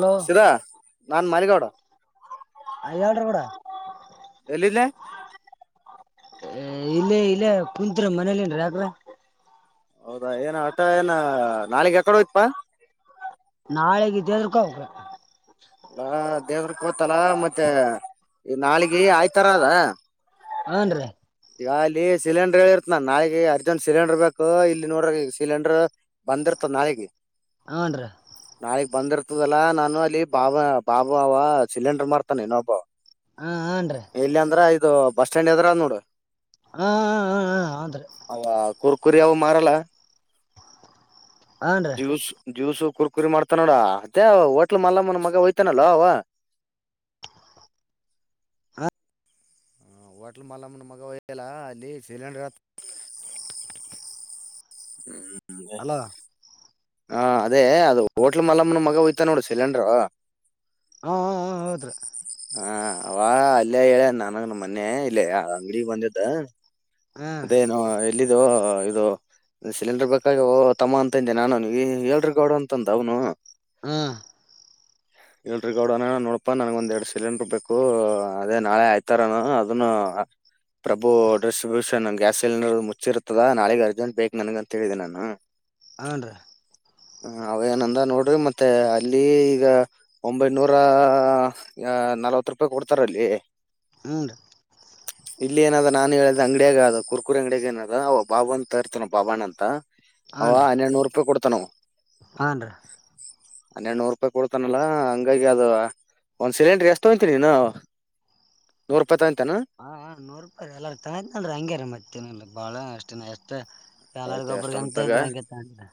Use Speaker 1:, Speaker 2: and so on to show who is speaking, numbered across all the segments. Speaker 1: Hello.
Speaker 2: ಸಿದಾ ನಾನ್ ಮಲಿಗೌಡ.
Speaker 1: [unintelligible]
Speaker 2: ಇಲ್ಲೆ.
Speaker 1: ಇಲ್ಲ ಇಲ್ಲೇ ಕುತ್ರ ಮನೇಲಿ ಯಾಕ್ರ
Speaker 2: ಹೌದಾ ಏನ ಆಟ ಏನ ನಾಳಿಗೆ ಯಕಡೆೋಯ್ಪಾ.
Speaker 1: [unintelligible]
Speaker 2: ಅ ದೇವ್ರ ಕೋತಲ ಮತ್ತೆ ಈ ನಾಳಿಗೆ ಆಯ್ತಾರ ಅದ.
Speaker 1: ಹನ್ ರೀ.
Speaker 2: ಈಗ ಅಲ್ಲಿ ಸಿಲಿಂಡರ್ ಹೇಳಿ ಇರ್ತ ನ ನಾಳಿಗೆ ಅರ್ಜೆಂಟ್ ಸಿಲಿಂಡರ್ ಬೇಕು ಇಲ್ಲಿ ನೋಡ್ರ ಈಗ ಸಿಲಿಂಡರ್ ಬಂದಿರ್ತ ನಾಳೆಗೆ
Speaker 1: ಹನ್ರಿ
Speaker 2: ನಾಳಿಗ್ ಬಂದಿರ್ ಇತದೆಲ್ಲಾ ನಾನು ಅಲ್ಲಿ ಬಾಬ ಬಾಬ ಅವ ಸಿಲಿಂಡರ್ ಮಾರ್ತಾನ ಇನೊಬ್ಬ.
Speaker 1: ಹಾ ಹ್ಮ್ ನ ರಿ.
Speaker 2: ಇದು ಬಸ್ ಸ್ಟ್ಯಾಂಡ್ ಎದ್ರ್ ನೋಡು.
Speaker 1: ಹಾ ಹ್ಮ್ ಹ್ಮ್ ಹ್ಮ್ ಆದ್ರೆ.
Speaker 2: ಕುರ್ಕುರಿಯದು ಮಾರಲ್ಲ.
Speaker 1: ಹನ್ರಿ
Speaker 2: ಜ್ಯೂಸ್ ಜ್ಯೂಸ್ಸು. ಕುರ್ ಕುರಿ ಮಾಡ್ತಾ ನೋಡ ಅತ್ತೇ ಹೋಟ್ಲ್ ಮಲ್ಲಮ್ಮನ್ ಮಗ ಹೊತಾನಲ್ಲ ಅವ.
Speaker 1: ಹ.
Speaker 2: ಹ ವಾಟಲ್ ಮಲ್ಲ ಮಗ ಎಲ್ಲ ಅಲ್ಲಿ ಸಿಲೆಂಡರ್. [inaudible]
Speaker 1: ಹಲೋ.
Speaker 2: ಹಾ ಅದೇ ಅದು
Speaker 1: ಹ್ಮ್
Speaker 2: ಹೋಟ್ಲ್ ಮಲಮ್ಮನ ಮಗ ಹೋಯ್ತ ನೋಡು ಸಿಲಿಂಡರು.
Speaker 1: ಹಾ ಹಾ ಹೌದ್ರಿ.
Speaker 2: ಅವ ಅಲ್ಲೇ ಹೇಳೇ ನನ ನ ಮೊನೆೆ ಇಲ್ಲೇ ಅಂಗಡಿಗೆ ಬಂದಿದ್ದ.
Speaker 1: ಹ್ಮ್
Speaker 2: ಅದೇನು ಎಲ್ಲಿದ ಇದು. ಸಿಲಿಂಡರ್ ಬೇಕಾಗವ ತಮ್ಮ ಅಂತಂದೆ ನಾನನು ಈ ಹೇಳ್ರಿ ಗೌಡ್ರ ಅಂತಂದ ಅವ್ನು.
Speaker 1: ಹಾ.
Speaker 2: ಎಲ್ರಿ ಗೌಡನ ನೋಡಪಾ ನನ್ ಒಂದ ಎರಡ್ ಸಿಲಿಂಡರ್ ಬೇಕು ಅದೇ ನಾಳೆ ಆಯ್ತಾರ ಅದನ್ನ. ಪ್ರಭು ಅಡ್ರೆಸ್ ನನ್ಗೆ ಗ್ಯಾಸ್ ಸಿಲಿಂಡರ್ ಮುಚ್ಚಿರುತ್ತದ ನಾಳೆಗ ಅರ್ಜೆಂಟ್ ಬೇಕ ನನಗ ಅಂತ ಹೇಳಿದೆೆ ನಾನ.
Speaker 1: ಹನ್ರೀ.
Speaker 2: ಹ ಅವೇನಂದ ನೋಡ್ರಿ ಮತ್ತೆ ಅಲ್ಲಿ ಈಗ ಒಂಬೈನೂರಾ. ಆ ನಲವತ್ ರೂಪಾಯಿ ಕೊಡ್ತಾರಲ್ಲಿ.
Speaker 1: ಹುನ್ರಿ.
Speaker 2: ಇಲ್ಲಿ ಏನಾದ ನಾನನ್ ಹೇಳ್ದ ಅಂಗಡಿಯಾಗ ಅದ ಕುರ್ಕುರಿ ಅಂಗಡಿಯಾಗ ಏನದ ಅವ ಬಾಬ ಅಂತ ತ ಇರ್ತನ ಬಾಬಾಣ್ಣ ಅಂತ. ಅವ
Speaker 1: ಹನ್ರಿ
Speaker 2: ಹನ್ನೊಂದನೂರ ರೂಪಾಯಿ ಕೊಡ್ತನ.
Speaker 1: ಹನ್ರಿ.
Speaker 2: ಹನ್ನೊಂದನೂರ ರೂಪಾಯಿ ಕೊಡ್ತಾನಲ್ಲಾ ಹಂಗಾಗಿ ಅದ ಒಂದ್ ಸಿಲಿಂಡ್ರಿ ಎಷ್ಟ ತಗೊಂತಿ ದಿನ್ನ. [inaudible]
Speaker 1: ಹಾ ನೂರು ರೂಪಾಯಿ ಎಲ್ಲಾರ ತತ್ನಲ್ರಿ ಹಂಗ್ಯಾರ ಮತ್ತನ ಬಾಳ ಅಷ್ಟೇ ಎಷ್ಟೇ.
Speaker 2: ಆಯ್ತು ಎಷ್ಟನ್
Speaker 1: [unintelligible]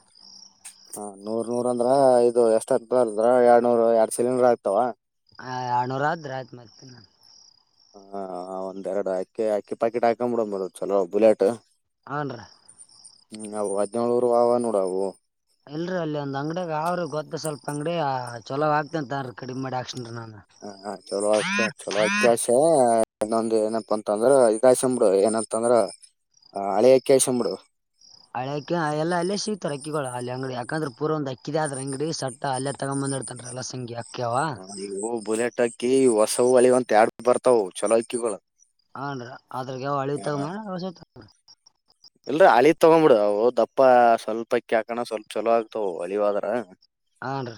Speaker 2: ಹ ನೂರ್ ನೂರ್ ಅಂದ್ರ ಇದು ಎಷ್ಟ ಆಗ್ತಾರದ್ರ ಎರಡ್ ನೂರ್ ಎರಡ್ ಸಿಲಿಂಡರ್ ಆಗ್ತಾವ.
Speaker 1: [unintelligible]
Speaker 2: ಹ ಒಂದೆರಡು ಅಕ್ಕಿ ಅಕ್ಕಿ ಪಾಕೆಟ್ ಹಾಕೊಬುಬೇಕ್ ಚಲೋ ಬುಲೆಟ್
Speaker 1: ಹನ್ರೀ
Speaker 2: ಹ್ಮ್ ಅವು ಹದಿನೆಂಲುನೂರು ಆವ ನೋಡವು
Speaker 1: ಇಲ್ರರಿ ಅಲ್ಲಿ ಒಂದ್ ಅಂಗಡಿಯಾಗ ಅವ್ರರು ಗೊತ್ತ ಸ್ವಲ್ಪ ಅಂಗಡಿಯ ಚಲೋ ಆಗ್ತಂತನ್ ತರಿ ಕಡಿಮ ಮಾಡಿ ಆಕ್ಷ
Speaker 2: ಹ ಚಲೋ ಅತ್ ತಾ ಚಲೋ ಆಕ್ಕಿ ಅಕ್ಸ ಇನ್ನೊಂದ ಏನಪ್ಪ ಅಂತ ಅಂದ್ರ ಇದಾಕಿಸ್ಕೆದು ಬುಡು ಏನಂತಂದ್ರ ಹಳೆಅಕ್ಕಿ ಹಾಕಿಸ್ಕಾಡ್ಬುದು
Speaker 1: ಹಳೆಕ ಎಲ್ಲ ಅಲ್ಲೇ ಸಿಗ್ತಾರೆ ಅಕ್ಕಿಳ ಅಲ್ಲಿ ಅಂಗಡಿ ಯಾಕಂದ್ರೆ ಪೂರ ಒಂದ ಅಕ್ಕಿ ಆದ್ರ ಅಂಗಡಿ ಸ ಅಲ್ಲೇ ತಗೊ ನನಹಿಡ್ಕಂಡ್ರೆ ಎಲ್ಲಶಂಗ್ಯಾ
Speaker 2: ಹ ಇವು ಬುಲೆಟ್ ಅಕ್ಕಿ ಹೊಸವು ಹಳಿವು ಅಂತ ಎಡ್ ಬರ್ತಾವ ಅವ್ ಚಲೋ ಅಕ್ಕಿಗಳು.
Speaker 1: ಹನ್ರೀ ಆದ್ರಗ್ ಯಾವ ಹಾಲಿವ್
Speaker 2: ಆ,
Speaker 1: ತಗಮಾ ಹೊಸವ್ತಾಗೋಮ್
Speaker 2: ಇಲ್ರ ಅಳಿ ತಗೊಂಡ್ಬಿಡ ಅವು ದಪ್ಪ ಸ್ವಲ್ಪಕ್ಕ್ಯಾಕಣ ಸ್ವಲ್ಪ ಚಲೋ ಆಗ್ತವು ಅಳಿವಾದ್ರ.
Speaker 1: ಹಾನ್ರಿ.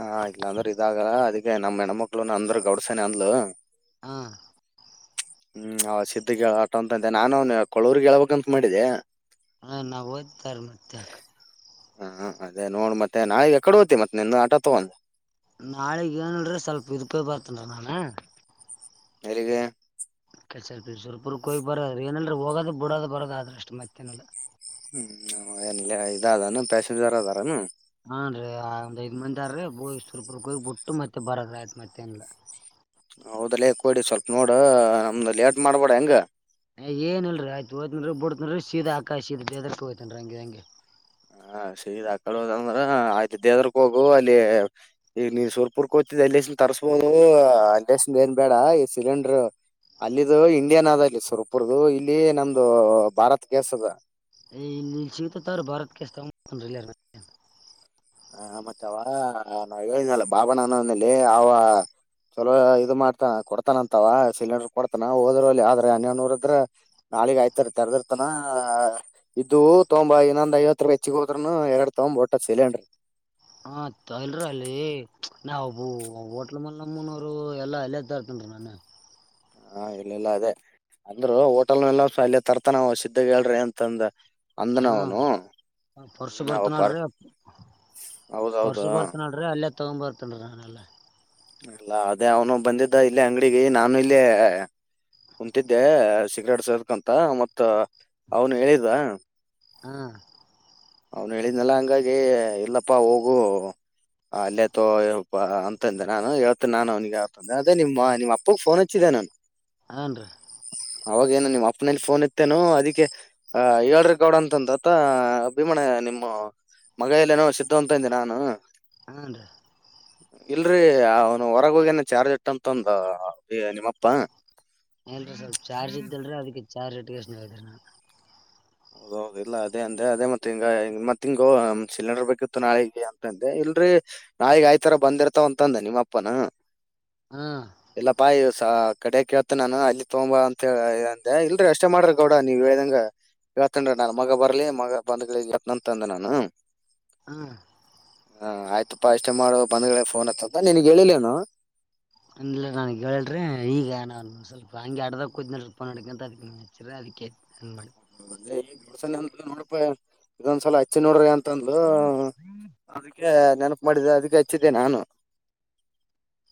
Speaker 2: ಹಾ ಇಲ್ಲ ಅಂದ್ರೆ ಇದಾಗಲ್ಲ ಅದಕ್ಕೆ ನಮ್ಮ್ ಹೆಣ್ಮಕ್ಳು ಅಂದ್ರ ಗೌಡ್ಸನೆ ಅಂದ್ಲು.
Speaker 1: ಹಾ
Speaker 2: ಹ್ಮ್ ಅವ ಸಿದ್ಧಗ್ ಹೇಳ್ ಆಟ ಅಂತಂತೆ ನಾನು ಕೊಳ್ವರ್ಗ್ ಹೇಳ್ಬೇಕಂತ ಮಾಡಿದ್ದ.
Speaker 1: ಅ ನಾವೊದ್ ತರ್ಮತ್ಯಾಗ
Speaker 2: ಹಾ ಅದೇ ನೋಡ್ ಮತ್ತೆ ನಾಳಗ್ ಎಕಡೆ ಹೋಗ್ತಿ ಮತ್ತತ್ ನಿನ್ನ ಆಟ ತಗೊಂಡ
Speaker 1: ನಾಳಿಗ್ ಏನಲ್ರ ಸ್ವಲ್ಪ ಇದಕ್ಕೆ ಬರ್ತನ್ ನಾನು
Speaker 2: ಎಲ್ಲಿಗೆ
Speaker 1: ಕೆಲ್ಸಲ್ ಸುರಪುರಕೋಗಿ ಬರೋ್ರ ಏನಲ್ ಹೋಗೋದು ಬಿಡೋದು ಬರೋದು ಆದ್ರಷ್ಟ ಮತ್ತೇನಲ್ಲ
Speaker 2: ಹ್ಮ್ ಏನಿಲ್ಲ ಇದ ಅದಾನ ತಸೀಲ್ದಾರ್ ಅದಾರನು
Speaker 1: ಹಾನ್ ರೀ ಆ ಒಂದಾಯಿದು ಮಂದಿ ಹೋಗ್ ಬಿಟ್ಟು ಮತ್ತೆ ಬರದ ಆಯ್ತು ಮತ್ತೆನ್ಲ್ಲ
Speaker 2: ಹೌದಲ್ಲ ಕೊಡಿ ಸ್ವಲ್ಪ ನೋಡ್ ನಮ್ದ ಲೇಟ್ ಮಾಡ್ಬೇಡ ಹೆಂಗ.
Speaker 1: ಏ ಏನಲ್ರಿ ಆಯ್ತು ಒತಿನಿರಿ ಬಿಡ್ತನಿರಿ ಸೀದ ಆಕಾ ಸೀದೇದಕ್ಕೆ ಹೋ [unintelligible] ತನನ್ ಹಂಗಿ ಹಂಗೆ [inaudible]
Speaker 2: ಹ ಸಿದ ಆಕಡೆ ಹೋದಂದ್ರ ಆಯ್ತ ದೇವ್ರಕ್ ಹೋಗು ಅಲ್ಲಿ ಈಗ ನೀ ಸೂರ್ಪುರ್ಕ ಹೋಗ್ತಿದ್ದ ಎಲ್ಲಿಸ್ ತಗಬ್ ಕರ್ಸ್ಬೋದು ಅಂಂತಸನ್ ಬೇನ್ ಬೇಡ ಈ ಸಿಲಿಂಡರ್ ಅಲ್ಲಿದುು ಇಂಡಿಯನ್ ಅದ ಅಲ್ಲಿ ಸುರಪುರದುು ಇಲ್ಲಿ ನಮ್ದು ಭಾರತ್ಗೆೇಸ್ ಅದ
Speaker 1: ಈ ಸಿಕ್ಕತ್ತಂದ್ರಿ ಭಾರತ್ ಗ್ಯಾಸ್ ಇಲ್ಲನ
Speaker 2: ಹ ಮತ್ತವ ನಾವ ಹೇಳಲ್ಲ ಬಾಬಣ್ಣಾನನಲ್ಲಿ ಅವ ಚಲೋ ಇದು ಮಾಡ್ತಾ ಕೊಡ್ತಾನ ಅಂತವ ಸಿಲಿಂಡರ್ ಕೊಡ್ತಾನ ಹೋದ್ರಲ್ಲಿ ಆದ್ರೆ ಹನ್ನಡುನೂರಿದ್ರ ನಾಳಿಕ ಅದ್ಯಾವರ ತೆರ್ದಿರ್ತಾನ ಇದು ತೊಂಬ ಇನ್ನೊಂದ್ ಐವತ್ತು ರೂಪಾಯ ಹೆಚ್ಚಿಗೆ ಹೋದ್ನು ಎರಡು ತೊಂಬಾ ಒಟ ಸಿಲೆಂಡ್ರರ್
Speaker 1: ಹತ ಇಲ್ರಿ ಅಲ್ಲಿ ನಾ ಹೋಟ್ಲ್ ಮ ನಮ್ಮನರು ಎಲ್ಲಾ ಅಲ್ಲ್ದತ ಅದ
Speaker 2: ಹಾ ಇಲ್ಲೆಲ್ಲಾ ಅದೇ ಅಂದ್ರು ಹೋಟೆಲ್ನೆಲ್ಲಸೊನು ಅಲ್ಲಯ ತರ್ತಾನ ಸಿದ್ಧಗ ಹೇಳ್ರಿ ಅಂತಂದ ಅಂದನವನು.
Speaker 1: ಹ ಪರ್ಸ ಬರ್ತ ನಡ್ರಿ ಪರ್ಸ
Speaker 2: ಹೌದೌದು
Speaker 1: ಬರ್ತ ನಾಡ್ರಿ ಅಲ್ಲಿ ತಕ ಬರ್ತ್ತನರ ನಲ್ಲ
Speaker 2: ಅಲ್ಲ ಅದೇ ಅವನು ಬಂದಿದ್ದ ಇಲ್ಲ ಅಂಗಡಿಗೆ ನಾನು ಇಲ್ಲೇ ಕುಂತಿದೆ ಸಿಗ್ರೇಟ್ ಸೇದಕಂತ ಮತ್ತ ಅವನು ಹೇಳಿದ
Speaker 1: ಹ್ಮ
Speaker 2: ಅವ್ನು ಹೇಳಿದ್ನಲ್ಲ ಹಂಗಾಗಿ ಇಲ್ಲಪ್ಪಾ ಹೋಗು ಅಲ್ಲೇ ತೋ ಅಂತಂದೆ ನಾನು ಹೇಳ್ತಿನಿ ನಾನು ಅವನಿಗೆ ಯತಂದೆ ಅದೇ ನಿಮ್ಮ ನಿಮ್ಮ ಅಪ್ಪಗ್ ಫೋನ್ ಹಚ್ಚಿದ್ದ ಏನು
Speaker 1: ಹನ್ರಿೀ
Speaker 2: ಅವಾಗೇನು ನಿಮ್ಮ ಅಪ್ಪನಲ್ಲಿ ಫೋನ್ ಇತ್ತೇನು ಅದಿಕೆ ಹೇಳ್ರಿ ಗೌಡ ಅಂತಂತತ್ತ ಭೀಮಣ ನಿಮ್ಮ ಮಗಯಲ್ಲ ನೋ ಸಿದ್ಧವಂತಂದೆ ನಾನು
Speaker 1: ಹನ್ರೀ
Speaker 2: ಇಲ್ರರಿ ಅವನು ಹೊರಗ ಹೋಗೇನ ಚಾರ್ಜ್ ಇಟ್ಟಂತ ಅಂತ ನಿಮ್ಮಪ್ಪಾ
Speaker 1: ಇಲ್ರೀ ಸ್ವಲ್ಪ ಚಾರ್ಜ್ ಇದ್ದಲ್ರರಿ ಅದಕ್ಕೆ ಚಾರ್ಜ್ ಇಟ್ಟೋತೀನಿ ಅಲ್ರೀ ನಾನ
Speaker 2: ಹೌದೌದ ಇಲ್ಲ ಅದೇ ಅಂದೆ ಅದೇ ಮತ್ತೆ ಹಿಂಗ ಮತ್ತ ಹಿಂಗೋ ಸಿಲಿಂಡರ್ ಬೇಕಿತ್ತು ನಾಳಿಗೆ ಅಂತಂದೆ. ಇಲ್ರಿ ನಾಳಗ್ ಆಯ್ತರ ಬಂದಿರ್ತಾವ ಅಂತಂದ ನಿಮ್ಮ ಅಪ್ಪನ
Speaker 1: ಹಾ
Speaker 2: ಇಲ್ಲ ಪಾಯಿ ಸ ಕಡೆಕ ಹೇಳ್ತೀನಿ ನಾನು ಅಲ್ಲಿ ತಗೊಂದ ಬಾ ಅಂತ ಅಂದೆ ಇಲ್ರಿ ಅಷ್ಟೇ ಮಾಡ್ರ ಗೌಡ ನೀವ್ ಹೇಳ್ದಂಗ. ಹೇಳ್ತೀನಿರಿ ನನ್ ಮಗ ಬರ್ಲಿ ಮಗ ಬಂದಗಿಳೆ ಹೇಳ್ತೀನಿಯಂತ ಅಂದಾನ್ ನಾನು.
Speaker 1: ಹ್ಮ್
Speaker 2: ಹಾ ಆಯ್ತಪ್ಪಾ ಅಷ್ಟೇ ಮಾಡು ಬಂದ್ಗಳ ಫೋನ್ ಹಚ್ಚುತ್ತ ನಿನಗ ಹೇಳಿಲ್ಲೇನು.
Speaker 1: ಅಂದಿಲ್ಲ ನನ್ ಹೇಳ್ರಿ ಈಗ ಏನ ಸ್ವಲ್ಪ ಹಂಗೆ ಅಡದ ಕೂದಿನಡ ಅಂತ [unintelligible] ವಿಕೆಟ್ [inaudible]
Speaker 2: ಗೌಡ್ಸಲೀ ನೋಡ್ಪ ಇದೊಂದ್ಸಲ ಹಚ್ಚಿ ನೋಡ್ರಿ ಅಂತ - ತಂದು ಅದಕ್ಕೆ ನೆನಪು ಮಾಡಿದೆ ಅದಕ್ಕೆ ಹಚ್ಚಿದ್ದೆ ನಾನು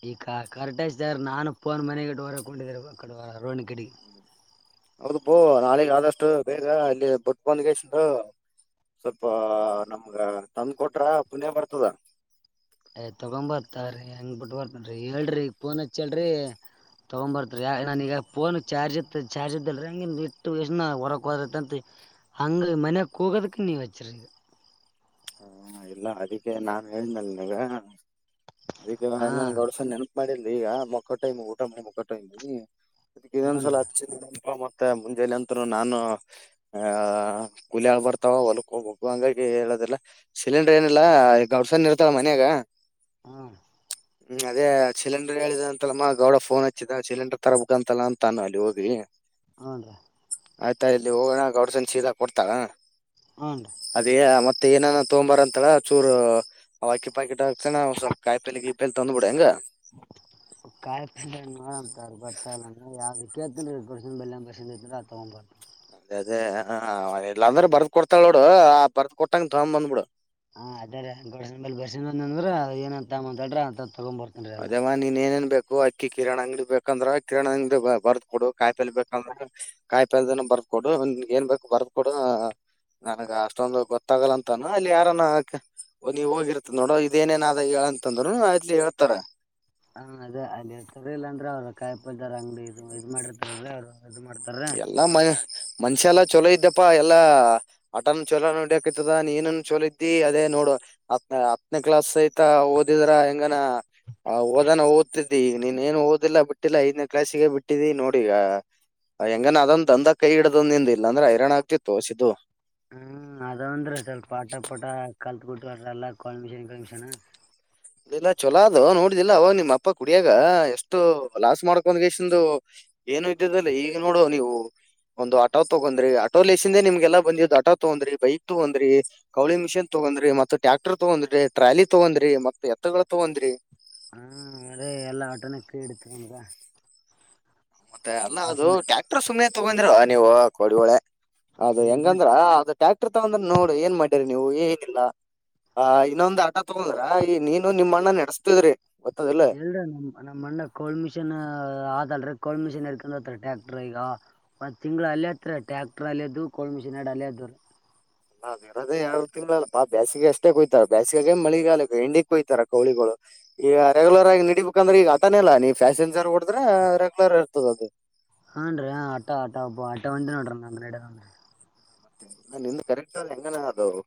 Speaker 1: ಈ ಕ ಕರೆಕ್ಟಜ್ಿದಾರ ನಾನು ಫೋನ್ ಮನೆಗೆ ಹೊರ ಕೊಂಡಿದ್ದೆ ಅಕಡ ವಾರ ರೋಹಣಿ ಕಡೆ
Speaker 2: ಹೌದ ಬೋ ನಾಳಗ್ ಆದಷ್ಟು ಬೇಗ ಇಲ್ಲಿ ಬೊಡ್ ಬಂದಗೆಷ್ಟದೊ ಸ್ವಲ್ಪ ನಮ್ಗ ತಂದ ಕೊಟ್ರ ಪುನ್ಯ ಬರ್ತದ.
Speaker 1: ಏಯ್ ತೊಗೊಂಡ ಬರ್ತಾರಿ ಹೆಂಗ್ ಬಿಟ್ ಬರ್ತನ್ರಿ ಹೇಳ್ರಿ ಫೋನ್ ಹೆಚ್ಚಿ ಹೇಳ್ರಿ- ತೊಗೊಂಡ ಬರ್ತರಿ ನಾನೀಗ ಫೋನ್ ಚಾರ್ಜ್ ಇಟ್ಟ ಚಾರ್ಜ್ ಇದ್ದಲ್ರಿ ಹಂಗಿ ಇಟ್ಟು [inaudible] ಹೊರಕ್ ಹೋದತ್ತಂತ. ಹಂಗ ಮನೆ ಕೂಗದಕ್ಕೆ ನೀ ಹಚ್ಚಿರಿ ಈಗ.
Speaker 2: ಹಾ ಇಲ್ಲ ಅದಕ್ಕೆ ನಾನು ಹೇಳನಲ್ ನೀವ. ಅದಕ್ಕೆ
Speaker 1: ಹಾ
Speaker 2: ಹೆಂಗನ್ ಗೌಡ್ಸಣ ನೆನಪ ಮಾಡಿಲ್ಲ ಈಗ ಮೊಕ್ಕಟ್ಟ ಊಟ ಮಿ ಮೊಕ್ಕಟ್ಟ [inaudible] ಇನ್ನೊಂದ ಸಲ
Speaker 1: ಹನ್ರಿ
Speaker 2: ಹಚ್ಚಿ [inaudible] ಮತ್ತ ಮುಂಜಾನ ಅಂತ್ರ ನಾನು ಹಾ ಕುಲಿ ಆಳ ಬರ್ತಾವ ಹೊಲಕ್ಕ ಹೋಗಬೇಕು ಹಾಂಗಾಗಿ ಎಲೋದಿಲ್ಲ. ಸಿಲಿಂಡರ್ ಏನಿಲ್ಲ ಗೌಡ್ಸನೀ ಇರ್ತಾಳ ಮನ್ಯಾಗ.
Speaker 1: ಹ್ಮ
Speaker 2: ಹ್ಮ್ ಅದೇ ಸಿಲಿಂಡರ್ ಹೇಳಿದ ಅಂತಲ್ಲಮ್ಮ ಗೌಡ ಫೋನ್ ಹಚ್ಚಿದ ಸಿಲಿಂಡರ್ ತರಬೇಕ ಅಂತಲ್ಲ ಅಂತಾನ ಅಲ್ಲಿ ಹೋಗಿ.
Speaker 1: ಹುಂ ರೀ.
Speaker 2: ಆಯ್ತಾ ಇಲ್ಲಿ ಹೋಗ ಗೌಡ್ಸ್ಸಾಲಿ ಸೀದಾ ಕೊಡ್ತಾಳ
Speaker 1: ಹನ್ರಿ
Speaker 2: ಅದಏನ ಮತ್ತ - ಮತ್ತೆ ಏನಾನ ತೊಗೊಂದ ಬರ್ರಿ ಅಂತಾಳ ಚೂರು ಅವ ಅಕ್ಕಿ ಪಾಕೆಟ್ ಹಾಕ್ತ ಸ್ವಲ್ಪ ಕಾಯಿಪಲ್ಲೆ ಗೀಪಲ್ಲೆ ತಂದು ಬಿಡ ಹಿಂಗ.
Speaker 1: [unintelligible] ಕಾಯಿಪಲ್ಲೆ ನೋಡಮ್ ತೊಗರಿ ಬರ್ತಾಲ್ಲ ಯಾವ್ದ ಕೇಳ್ತೆನ್ರಿರಿ ನಿಮ್ಮ ಕಡ್ಸೇಡಿಂದ ನಮ್ಮ ಕಡ್ಡಿಯಿಂದ ತೊಗೊಂದ ಬರ್ತೀನ್ರಿ.
Speaker 2: ಅದೇ ಅದೇ ಇಲ್ಲಾ ಅಂದ್ರ ಬರ್ದ ಕೊಡ್ತಾಳ ನೋಡು ಆ ಬರ್ದ ಕೊಟ್ಟಂಗ ತೊಗೊಂಡ್ ಬಂದ್ಬಿಡು.
Speaker 1: ಹ ಅದೇರಿ ಗೌಡ್ಸಾಲಿ ಬರಿಸಿಕೊಂಡ ಅಂದ್ರ ಏನಂತ ಅಂತ ಮಾತಾಡಿರ -
Speaker 2: ಅದಮ್ಮ ನೀನ್ ಏನೇನ್ ಬೇಕು ಆಕ್ಕಿ ಕಿರಾಣಿ ಅಂಗಡಿ ಬೇಕಂದ್ರೆ ಕಿರಾಣಿ ಅಂಗಡಿ ಬರದ ಕೊಡು ಕಾಯಿಪಲ್ಲೆ ಬೇಕಂದ್ರ ಕಾಯಿಪಲ್ಲೆ ಬರದ ಕೊಡು. ಕೊಡುನ್ ಏನ್ ಬೇಕು ಬರ್ದ ಕೊಡು. ನನ್ಗ ಅಷ್ಟೊಂದು ಗೊತ್ತಾಗಲ್ಲ ಅಂತಾನ ಅಲ್ಲಿ ಯಾರಾನ ಓ ನೀವ್ ಹೋಗಿರ್ತತ್ ನೋಡ ಇದೇನೇನಾದ ಹೇಳ ಅಂತಂದ್ರುನು ಅಲ್ಲಿ ಹೇಳ್ತಾರ -
Speaker 1: ಹಾ ಅದೇ ಅಲ್ಲಿ ತರಲಿಲ್ಲ ಅಂದ್ರ ಅವ್ರರು ಕಾಯಿ ಪಲ್ದರ ಅಂಗಡಿ ಇದು ಇದ್ ಮಾಡಿರ್ತಾರಾ ಅವ್ರು. ಇದು ಮಾಡ್ತಾರ
Speaker 2: ಎಲ್ಲಾ ಮ ಮನುಷ್ಯ ಎಲ್ಲ- ಚಲೋ ಇದ್ದೀಪ್ಪಾ ಎಲ್ಲಾ ಆಟನೂ ಚೊಲೋ ನೋಡಿಯಕ್ತದ ನೀನನ್ ಚಲೋ ಇದ್ದಿ ಅದೇ ನೋಡು- ಹತ್ತನೇ ಕ್ಲಾಸ್ ಐತಾ ಓದಿದ್ರ ಹೆಂಗನ- ಆವಾಗ ಓದಾನ ಓದುತಿದ್ದಿ ಈಗ ನೀನ್ ಏನು ಓದಿಲ್ಲ ಬಿಟ್ಟಿಲ್ಲಾ ಐದ್ನೇ ಕ್ಲಾಸಿಗೆ ಬಿಟ್ಟಿದ್ದಿ ನೋಡ ಈಗ. ಹೆಂಗಾನೊ ಅದ ಒಂದ ದ್ದಂಡಾ ಕೈ ಹಿಡದಿದ ನಿಂದ ಇಲ್ಲ ಅಂದ್ರ ಹೈರಾಣ್ ಆಗತ್ತಿತ್ತೋ ಸಿದ್ದು
Speaker 1: ಹ್ಮ್ ಅದಂದ್ರ ಸ್ವಲ್ಪ ಪಾಟ ಪಾಟ ಕಲ್ತ್ ಕೊಟ್ಟಲ್ಲ ಕಾಲ್ಮಿಷನ್ ಕಮೀಷನ್.
Speaker 2: ಇಲ್ಲ ಚೊಲೋ ಅದೋ ನೋಡ್ದಿಲ್ಲ ಅವಾಗ ನಿಮ್ಮ್ ಅಪ್ಪ ಕುಡಿಯಾಗ ಎಷ್ಟು ಲಾಸ್ ಮಾಡ್ಕೊಂದಸಿಕೆಂದು ಏನು ಇದ್ದದಲ್ಲ ಈಗ ನೋಡುವ ನೀವು - ಒಂದು ಆಟೋ ತಗೊಂಡ್ರಿ ಆಟೋ ಲೇಸಿಂದ ನಿಮ್ಗೆಲ್ಲ ಬಂದಿದ್ದ್ ಆಟೋ ತಗೊಂಡ್ರಿ ಬೈಕ್ ತಗೊಂಡ್ರಿ ಕೌಳಿ ಮಿಷನ್ ತೊಗೊಂಡ್ರಿ ತಗೊಂಡ್ರಿ ಮತ್ ಟ್ಯಾಕ್ಟರ್ ತಗೊಂಡ್ರಿ ಟ್ರಾಲಿ ತಗೊಂಡ್ರಿ ಮತ್ತ ಎತ್ತಗಳು ತಗೊಂಡ್ರಿ
Speaker 1: ಹ್ಮ ನ ಎಲ್ಲಾ ಆಟೋನ ಕೈ ಹಿಡತ ನಮಗ
Speaker 2: ಮತ್ತೆ ಅಲ್ಲ ಅದು ಟ್ಯಾಕ್ಟ್ರರ್ ಸುಮ್ಮ್ನೆ ತಗೊಂಡಿರ ನೀವು ಕೋಡಿಗೋಳೆ ಅದ
Speaker 1: ಎಲ್ರಿ
Speaker 2: ಹೆಂಗಂದ್ರ ಅದು ಟ್ಯಾಕ್ಟರ್ ತಗಂದ್ರ ನೋಡಿ ಏನ್ ಮಾಡ್ಯರಿ ನೀವು ಏನ ಇಲ್ಲಾ ಆ ಇನ್ನೊಂದ ಆಟೋ ತಗೊಂಡ್ರ ಈ ನೀನು ನಿಮ್ಮ್ ಅಣ್ಣ ನೆಡೆಸ್ತಿದ್ರಿ
Speaker 1: ಎಲ್ರ ನಮ್ ನಮ್ಮ ಅಣ್ಣ ಕೋಲ್ ಮಿಷನ್ ಆದಲ್ರಿ ಕೋಲ್ ಮಿಷಿನ್ ಹಡ್ಕ ಟ್ಯಾಕ್ಟರ್ ಈಗ ಒಂದ್ ತಿಂಗಳು ಅಲ್ಲ ಹತ್ರ ಟ್ಯಾಕ್ಟರ್ ಅಲ್ಲದು ಕೋಲ್ ಮಿಷನ್ ಅದು [unintelligible]
Speaker 2: ನಾ ಇರದೇ ಎರಡು ತಿಂಗಳಲ್ಲ ಫಾ ಬ್ಯಾಸಿಗೆ ಅಷ್ಟೇ ಕೊಯ್ತಾರ ಬೇಸಿಗೆಗ ಮಳಿಗಾಲ ಎಂಡಿಗ್ ಕೊಯ್ತಾರ ಕೌಳಿಗಳು ಈಗ ರೆಗ್ಯುಲರ್ ಆಗಿ ನಡಿಬೇಕಂದ್ರೆ ಈಗ ಅಂದನೆಲ್ಲಾ ನೀ ಫ್ಯಾಷಜರ್ ಹೊಡದ್ರೆ ರೆಗ್ಯುಲರ್ ಇರ್ತದ ಅದು
Speaker 1: ಹಾ ಅನ್ ಆಟೋ ಆಟೋ ಒಬ್ಬ ಆಟೋ ಒಂದ ನೋಡ್ರಿ ನ ನಡನ್ರಿ
Speaker 2: ಮತ್ತೆ ನಿ ಕರೆಕ್ಟ್ ಆದ ಹೆಂಗನ ಅವು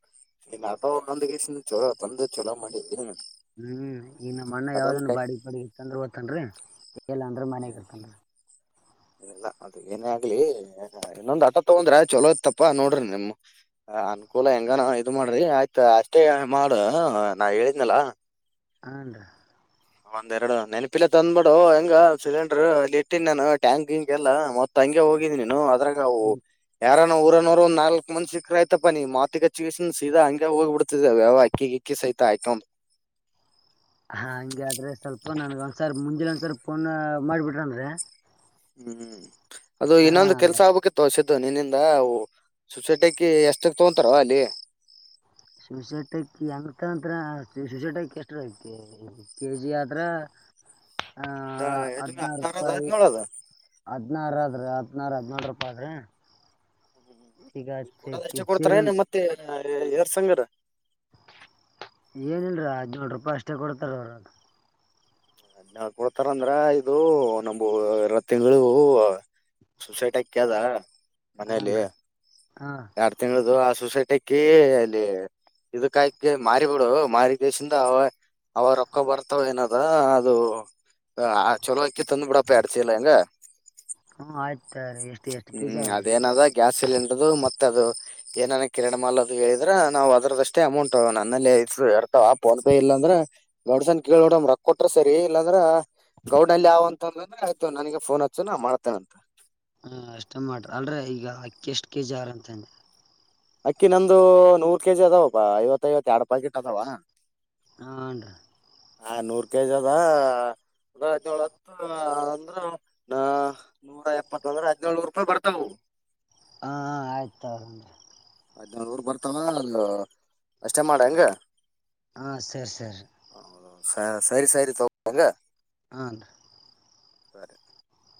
Speaker 2: ಈ ಆಟೊ ತಂಡಕೇಸಿ ಚಲೋ ತಂದ ಚಲೋ ಮಾಡಿದ್ದೇನ
Speaker 1: ಹ್ಮ್ ಈಗ ನಮ್ಮ ಅಣ್ಣ ಯಾವ್ದನ್ ಬಾಡಿಗೆ ಪಾಡಿಗಿ ಇತ್ತಂದ್ರ ಹೊಕ್ಕಾನ್ರಿ. ಏಲ್ಲಂದ್ರ ಮನೆಗರ್ತನ್ -
Speaker 2: ಇಲ್ಲ ಅದು ಏನೇ ಆಗ್ಲಿ ಇನ್ನೊಂದ್ ಆಟೋ ತಗೊಂಡ್ರೆ ಚಲೋ ಇತಪ್ಪಾ ನೋಡ್ರಿ ನಿಮ ಅನ್ಕೂಲ ಹೆಂಗಾನ ಇದ ಮಾಡ್ರಿ ಆಯ್ತ ಅಷ್ಟೇ ಮಾಡ ನಾ ಹೇಳಿದ್ನಲ
Speaker 1: ಹಂ ನರೀ
Speaker 2: ಒಂದೆರಡು ನೆನಪಿಲ್ಲ ತಂದ್ ಬಿಡು ಹೆಂಗ ಸಿಲಿಂಡರ್ ಇಲ್ಲಿ ಇಟ್ಟಿ ನಾನು ಟ್ಯಾಂಕ್ ಗಿಂಗೆ ಎಲ್ಲ ಮತ್ತ ಹಂಗೆ ಹೋಗಿದಿನನಿನು ಅದ್ರಾಗವು ಯಾರ ಊರನೋರ ಒಂದು ನಾಲ್ಕ್ ಮಂದಿ ಸಿಕ್ಕ್ರ ಆಯ್ತಪ ನೀ ಮಾತಿಗಚ್ಚಿನ್ ಸೀದಾ ಹಂಗೆ ಹೋಗಿ ಬಿಡ್ತಿದೆವ ಅಕ್ಕಿಕ್ಕಿ ಸ [unintelligible]
Speaker 1: ಹಾ ಹಂಗೆ ಆದ್ರೆ ಸ್ವಲ್ಪ ನನ್ ಒಂದ್ಸಾರ್ ಮುಂಜೆನೆ ಒಂದ್ಸರ್ ಫೋನ್ ಮಾಡ್ಬಿಟ್ರನ್ರೆ
Speaker 2: ಹ್ಮ್ ಅದು ಇನ್ನೊಂದು ಕೆಲ್ಸ ಆಗ್ಬೇಕ್ಕಿತೋ ಸಿ ದು ನಿನ್ನಿಂದ ಸುಸಟಕ್ಕಿ ಎಷ್ಟಕ್ ತಗತಾರೋ ಅಲ್ಲಿ
Speaker 1: ಸುಶೇಟಕ್ಕಿ ಅಂತಂತ ಸುಶೇಟಕ್ಕಿ ಎಷ್ಟ್ರ ಕೆಜಿ ಆದತ್ರ ಆ
Speaker 2: ಅದ ಎಷ್ಟಕ್ಕೆ
Speaker 1: ಹದಿನಾರು
Speaker 2: ಅದ
Speaker 1: ರೂಪಾಯಿ
Speaker 2: ಹದಿನೇಳು ಅದ
Speaker 1: ಹದ್ ನಾರದ್ರೆ ಹದಿನಾರ [unintelligible]
Speaker 2: ಹ್ಮ ಕೊಡಷ್ಟ ಕೊಡ್ತಾರ
Speaker 1: ಸೇರಿನ
Speaker 2: ಏ ಮತ್ತೆ ಎರ್ ಸಂಗರ
Speaker 1: ಏನಲ್ರ ಹದಿನೇಳು ರೂಪಾಯಿ ಅಷ್ಟೇ ಕೊಡ್ತಾರ ಅವರದು
Speaker 2: ಅದ ಕೊಡ್ತಾರ ಅಂದ್ರ ಇದು ನಮು ಎರಢ ತಿಂಗಳು ಸುಸೈಟ್ ಅಕ್ಯಾದ
Speaker 1: ಹಾಂ
Speaker 2: ಮನೇಲಿ
Speaker 1: ರೀ ಹಾಂ
Speaker 2: ಎರಡ ತಿಂಗಳ್ದು ಸೊಸೈಟಿ ಅಕ್ಕಿ ಅಲ್ಲಿ ಇದಕಾಯಕ ಮಾರಿ ಬಿಡು ಮಾರಿಕೇಶಿಂದ ಅವ ಅವ ರೊಕ್ಕ ಬರ್ತಾವ ಏನದ ಅದು ಚಲೋಅಕ್ಕಿ ತಂದ ಬಿಡಪ್ಪ ಎರಡು ಚೀಲ ಹೆಂಗ
Speaker 1: ಹ್ಮ ಆಯ್ತ ರೀ ಎಷ್ಟು ಕೆ ಜಿ
Speaker 2: ಹ್ಮ್
Speaker 1: ಆರ ಹ್ಞೂ
Speaker 2: ಅದೇನದ ಗ್ಯಾಸ್ ಸಿಲಿಂಡರ್ ಮತ್ತ ಆದು ಏನನ ಕಿರಾಣಿ ಮಾಲ್ ಅದು ಹೇಳ್ರೆ ನಾವು ಅದ್ರದಷ್ಟೇ ಅಮೌಂಟ್ ನನ್ನಲ್ಲಿದ್ದರ ಇರ್ತಾವ ಫೋನ್ ಪೇ ಇಲ್ಲಾಂದ್ರ ಮಡ್ಸನ್ ಕೇಳ್ ನೋಡ ರೊಕ್ಕ ಕೊಟ್ರ ಸರಿ ಇಲ್ಲಾಂದ್ರ ಗೌಡ ಅಲ್ಲಿವ ಅಂತ ಅಂದ್ರೆ ಆಯ್ತು ನನಗೆ ಫೋನ್ ಹಚ್ಚು ನಾ ಮಾಡ್ತೇನಂತ
Speaker 1: ಹ ಅಷ್ಟಮಟ್ರ ಅಲ್ರ ಈಗ ಅಕ್ಕಿ ಎಷ್ಟು ಕೆಜಿ ಆರ್ ಅಂತಂದ
Speaker 2: ಅಕ್ಕಿ ನಂದು ನೂರ್ ಕೆಜಿ ಅದಾವಪ್ಪಾ ಐವತ್ತ ಐವತ್ ಎರಡು ಪಾಕೆಟ್ ಅದಾವ
Speaker 1: ಹಾಂಡ್ರಿ
Speaker 2: ಆ ನೂರ್ ಕೆಜಿ ಅದ ಹದಿನೆಳತ್ತು ಅಂದ್ರ ನ ನೂರ ಎಪ್ಪತ್ತ ಅದ್ರ ಹದಿನೇಳನೂರು ರೂಪಾಯಿ ಬರ್ತಾವವು
Speaker 1: ಹಾ ಆಯ್ತಾವ್ರನ್ರಿ
Speaker 2: ಹದಿನೊಳನೂರ ಬರ್ತಾವ ಅ ಅಷ್ಟೇ ಮಾಡ ಹಂಗ
Speaker 1: ಹಾ ಸರಿ ಸರಿ
Speaker 2: ಹ ಸರಿ ಸರಿ ತೋ
Speaker 1: ಹಾ ನ್ರಿ
Speaker 2: [unintelligible]